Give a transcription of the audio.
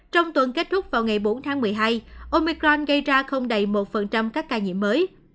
trong tuần kết thúc vào ngày bốn tháng một mươi hai omicron gây ra không đầy một các ca nhiễm mới